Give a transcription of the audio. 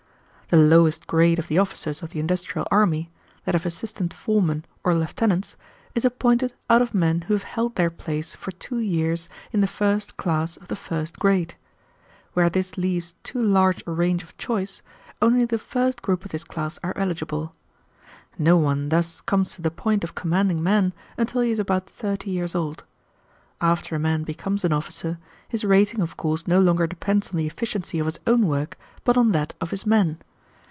"The lowest grade of the officers of the industrial army, that of assistant foremen or lieutenants, is appointed out of men who have held their place for two years in the first class of the first grade. Where this leaves too large a range of choice, only the first group of this class are eligible. No one thus comes to the point of commanding men until he is about thirty years old. After a man becomes an officer, his rating of course no longer depends on the efficiency of his own work, but on that of his men.